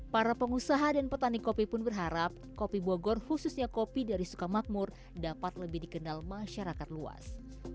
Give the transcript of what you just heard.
para pengusaha dan petani kopi pun berharap kopi bogor khususnya kopi dari sukamakmur dapat lebih dikenal masyarakat luas